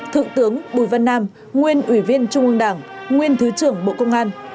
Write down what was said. thượng tướng bùi văn nam nguyên ủy viên trung ương đảng nguyên thứ trưởng bộ công an